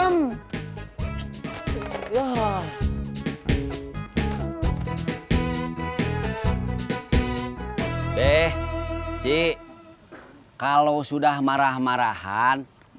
malah denger orang marah marah terus